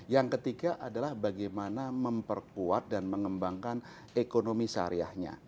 yang ketiga adalah bagaimana memperkuat dan mengembangkan ekonomi syariahnya